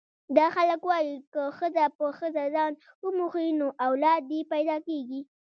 دا خلک وايي که ښځه په ښځه ځان وموښي نو اولاد یې پیدا کېږي.